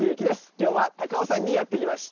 今日は高尾山にやって来ました。